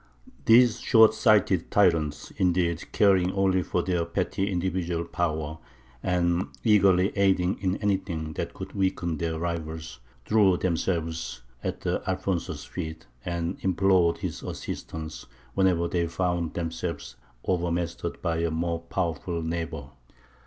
These short sighted tyrants, indeed, caring only for their petty individual power, and eagerly aiding in anything that could weaken their rivals, threw themselves at Alfonso's feet, and implored his assistance whenever they found themselves overmastered by a more powerful neighbour.